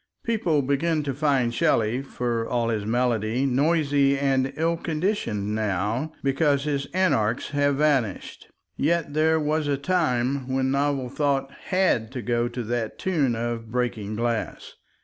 People begin to find Shelley—for all his melody—noisy and ill conditioned now because his Anarchs have vanished, yet there was a time when novel thought HAD to go to that tune of breaking glass.